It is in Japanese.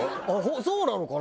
そうなのかな？